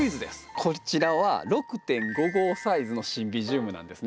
こちらは６．５号サイズのシンビジウムなんですね。